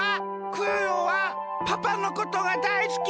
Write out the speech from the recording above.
クヨヨはパパのことがだいすき！